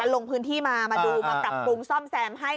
ลงพื้นที่มามาดูมาปรับปรุงซ่อมแซมให้